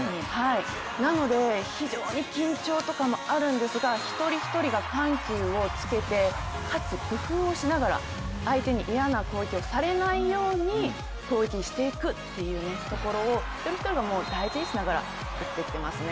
なので非常に緊張とかもあるんですが、一人一人が緩急をつけてかつ工夫をしながら相手に嫌な攻撃をされないように攻撃していくっていうところを一人一人が大事にしながら打ってきていますね。